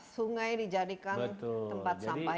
sungai dijadikan tempat sampah